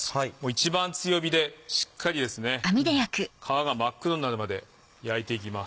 一番強火でしっかり皮が真っ黒になるまで焼いていきます。